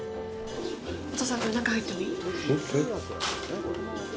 お父さん、これ、中、入ってもいい？